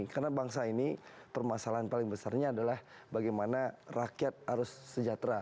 karena bangsa ini permasalahan paling besarnya adalah bagaimana rakyat harus sejahtera